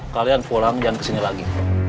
kalian pulang jangan kesini lagi